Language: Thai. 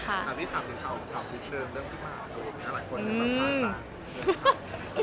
ถ้าพี่ถามถึงข่าวข่าวอีกเดิมเรื่องพี่หมามีอะไรคนอยากมาฟังจาก